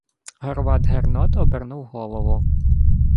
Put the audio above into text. Горват-Гернот обернув голову: